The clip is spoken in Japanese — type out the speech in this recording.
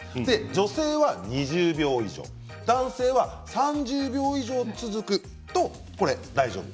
女性は２０秒以上男性は３０秒以上続くと大丈夫。